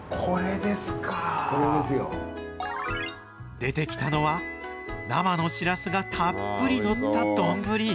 出てきたのは、生のシラスがたっぷり載った丼。